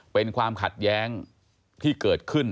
เป็นความขัดแย้งที่เกิดขึ้น